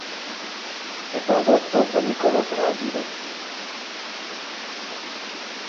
È prodotto da Nicolò Fragile.